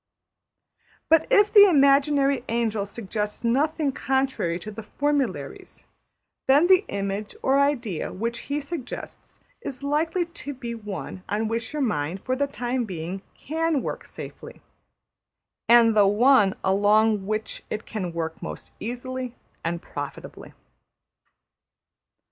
But if the imaginary angel suggests nothing contrary to the formularies, then the image or idea which he suggests is likely to be one on which your mind for the time being can work safely, and \emph{the} one along which it can work most easily and profitably.